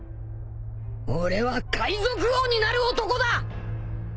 俺は海賊王になる男だ！